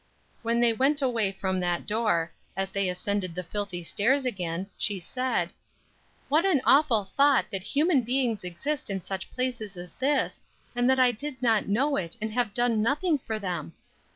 When they went away from that door, as they ascended the filthy stairs again, she said: "What an awful thought that human beings exist in such places as this, and that I did not know it and have done nothing for them!"